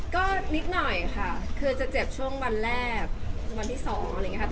ก็นิดหน่อยค่ะคือจะเจ็บช่วงวันแรกวันที่๒อะไรอย่างนี้ค่ะ